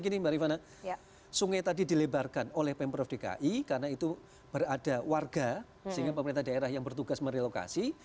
gini mbak rifana sungai tadi dilebarkan oleh pemprov dki karena itu berada warga sehingga pemerintah daerah yang bertugas merelokasi